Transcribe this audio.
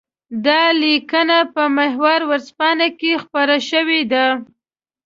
دا ليکنه په محور ورځپاڼه کې خپره شوې ده.